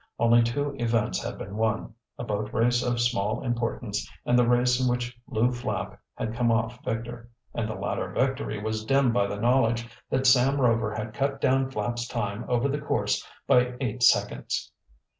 Only two events had been won a boat race of small importance and the race in which Lew Flapp had come off victor, and the latter victory was dimmed by the knowledge that Sam Rover had cut down Flapp's time over the course by eight seconds.